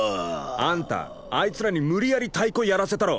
あんたあいつらに無理やり太鼓やらせたろ。